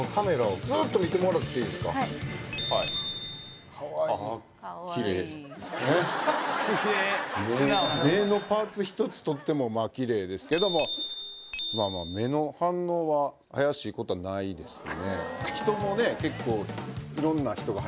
はい目のパーツ１つとってもまあきれいですけどもまあまあ目の反応はあやしいことはないですね